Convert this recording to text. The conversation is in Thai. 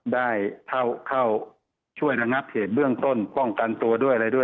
ได้เข้าช่วยระงับเหตุเบื้องต้นป้องกันตัวด้วยอะไรด้วย